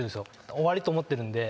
終わりと思ってるんで。